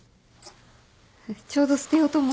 ちょうど捨てようと思ってたし。